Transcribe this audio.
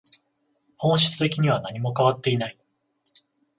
本質的には何も変わっていない